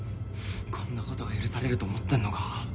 こんなことが許されると思ってんのか？